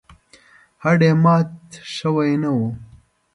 هډ یې مات شوی نه و.